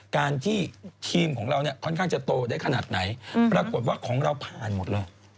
การที่ทีมของเราเนี่ยค่อนข้างจะโตได้ขนาดไหนปรากฏว่าของเราผ่านหมดเลย